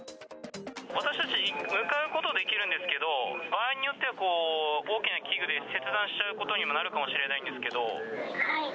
私たち、向かうことはできるんですけど、場合によっては大きな器具で切断しちゃうことにもなるかもしれなはい。